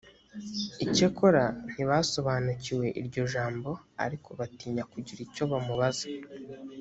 icyakora ntibasobanukiwe iryo jambo ariko batinya kugira icyo bamubaza